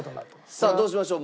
さあどうしましょう？